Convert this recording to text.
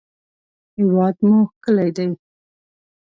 هېواد مو ښکلی دی